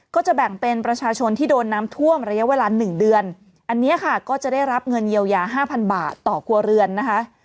ก็จะแบ่งเป็นประชาชนที่โดนน้ำท่วมระยะเวลา๑เดือนอันนี้ค่ะก็จะได้รับเงินเยียวยาห้าพันบาทต่อครัวเรือนนะคะ